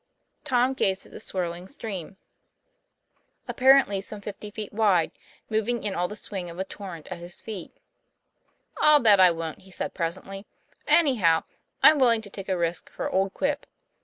Tom gazed at the swirling stream, apparently 122 TOM PLAYFAIR some fifty feet wide, moving in all the swing of a torrent at his feet. ''I'll bet I won't," he said presently. 'Anyhow, I'm willing to take a risk for old Quip.